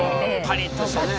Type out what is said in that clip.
パリッとしてね。